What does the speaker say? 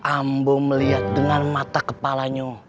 ambo melihat dengan mata kepalanya